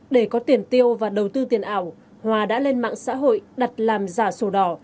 để có tiền tiêu và đầu tư tiền ảo hòa đã lên mạng xã hội đặt làm giả sổ đỏ